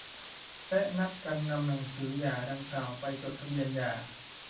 และนัดกันนำหนังสือหย่าดังกล่าวไปจดทะเบียนหย่า